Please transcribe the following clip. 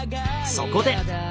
そこで！